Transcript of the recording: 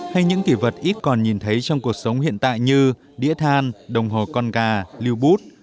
hay những kỷ vật ít còn nhìn thấy trong cuộc sống hiện tại như đĩa than đồng hồ con gà lưu bút